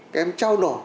các em trao đổi